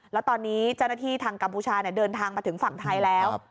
แล้วตอนนี้เจ้าหน้าที่ทางกัมพูชาเดินทางมาถึงฝั่งไทยแล้ว